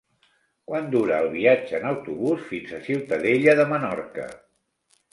Quant dura el viatge en autobús fins a Ciutadella de Menorca?